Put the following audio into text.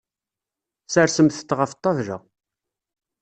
Sersemt-t ɣef ṭṭabla.